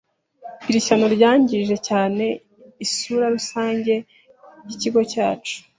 Iri shyano ryangije cyane isura rusange yikigo cyacu.